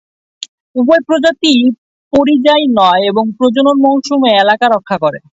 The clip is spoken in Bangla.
উভয় প্রজাতিই পরিযায়ী নয় এবং প্রজনন মৌসুমে এলাকা রক্ষা করে।